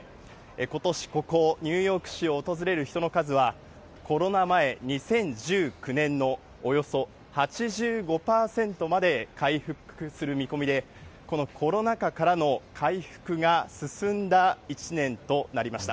ことし、ここニューヨーク市を訪れる人の数は、コロナ前、２０１９年のおよそ８５％まで回復する見込みで、このコロナ禍からの回復が進んだ一年となりました。